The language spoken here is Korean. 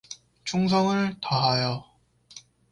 충성을 다하여